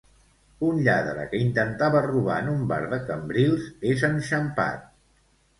Un lladre que intentava robar en un bar de Cambrils és enxampat.